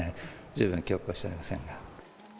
十分記憶はしておりませんね。